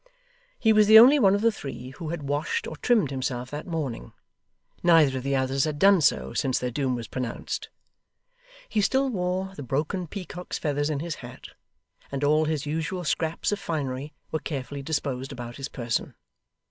He was the only one of the three who had washed or trimmed himself that morning. Neither of the others had done so, since their doom was pronounced. He still wore the broken peacock's feathers in his hat; and all his usual scraps of finery were carefully disposed about his person.